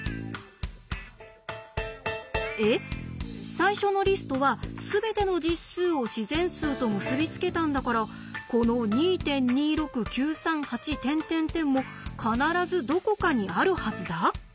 最初のリストはすべての実数を自然数と結び付けたんだからこの２．２６９３８も必ずどこかにあるはずだ？